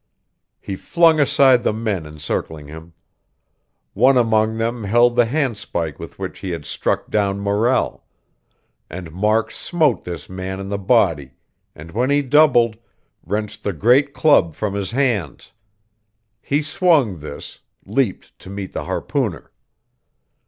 He flung aside the men encircling him. One among them held the handspike with which he had struck down Morrell; and Mark smote this man in the body, and when he doubled, wrenched the great club from his hands. He swung this, leaped to meet the harpooner.